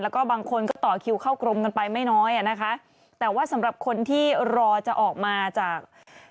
แล้วก็บางคนก็ต่อคิวเข้ากรมกันไปไม่น้อยอ่ะนะคะแต่ว่าสำหรับคนที่รอจะออกมาจาก